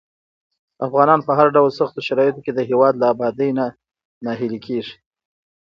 افغانان په هر ډول سختو شرايطو کې د هېواد له ابادۍ نه ناهیلي کېږي.